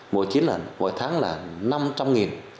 mỗi chín lần mỗi tháng là năm trăm linh